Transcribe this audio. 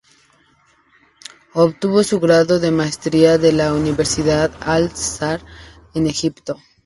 Obtuvo su grado de Maestría de la Universidad Al-Azhar en Egipto.